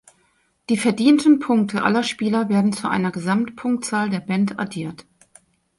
Die verdienten Punkte aller Spieler werden zu einer Gesamtpunktzahl der Band addiert.